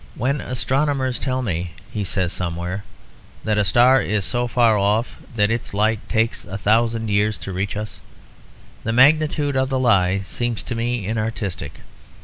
"When astronomers tell me," he says somewhere, "that a star is so far off that its light takes a thousand years to reach us, the magnitude of the lie seems to me inartistic."